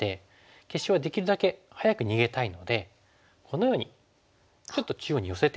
消しはできるだけ早く逃げたいのでこのようにちょっと中央に寄せて。